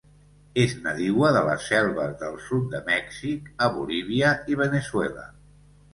És nadiua de les selves del sud de Mèxic a Bolívia i Veneçuela.